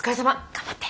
頑張って！